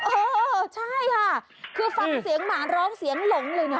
เออใช่ค่ะคือฟังเสียงหมาร้องเสียงหลงเลยนะ